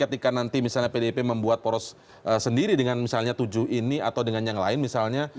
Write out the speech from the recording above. ketika nanti misalnya pdip membuat poros sendiri dengan misalnya tujuh ini atau dengan yang lain misalnya